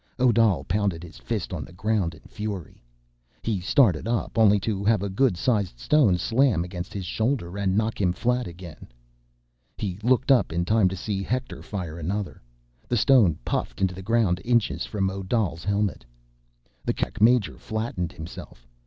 Odal pounded his fist on the ground in fury. He started up, only to have a good sized stone slam against his shoulder, and knock him flat again. He looked up in time to see Hector fire another. The stone puffed into the ground inches from Odal's helmet. The Kerak major flattened himself.